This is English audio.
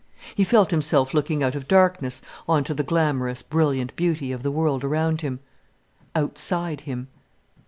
He felt himself looking out of darkness on to the glamorous, brilliant beauty of the world around him, outside him.